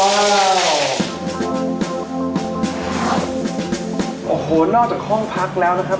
โอ้โหนอกจากห้องพักแล้วนะครับ